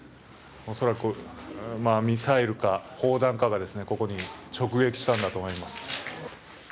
恐らくミサイルか砲弾かがここに直撃したんだと思います。